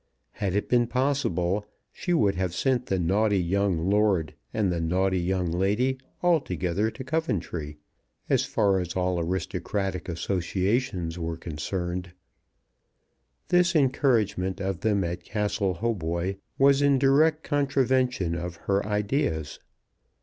Had it been possible she would have sent the naughty young lord and the naughty young lady altogether to Coventry, as far as all aristocratic associations were concerned. This encouragement of them at Castle Hautboy was in direct contravention of her ideas.